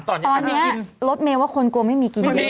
ตอนนี้รถเมย์ว่าคนกลัวไม่มีกินจริง